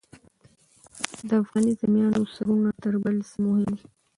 د افغاني زلمیانو سرونه تر بل څه مهم وو.